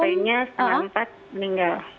sorenya setengah empat meninggal